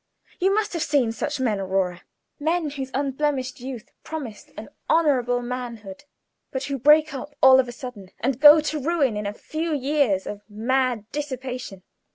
You must have seen such men, Aurora; men whose unblemished youth promised an honorable manhood, but who break up all of a sudden, and go to ruin in a few years of mad dissipation.